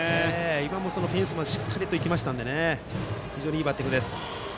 フェンスまでしっかり行きましたので非常にいいバッティングです。